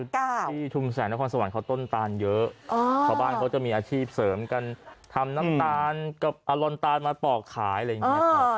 ที่ชุมแสงนครสวรรค์เขาต้นตานเยอะชาวบ้านเขาจะมีอาชีพเสริมกันทำน้ำตาลกับอลอนตาลมาปอกขายอะไรอย่างนี้ครับ